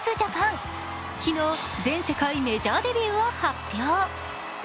昨日、全世界メジャーデビューを発表。